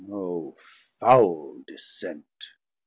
O foul descent!